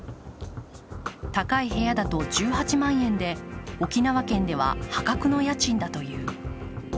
高い部屋だと１８万円で沖縄県では破格の家賃だという。